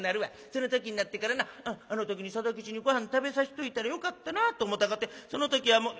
その時になってからなあの時に定吉にごはん食べさしといたらよかったなと思ったかてその時はもう。